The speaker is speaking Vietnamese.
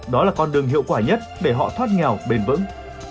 đó là con đường hiệu quả nhất để họ thoát nghèo bền vững